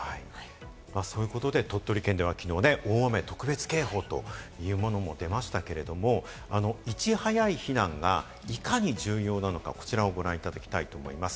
そういうことで、鳥取県ではきのう、大雨特別警報というものも出ましたけれども、いち早い避難がいかに重要なのか、こちらをご覧いただきたいと思います。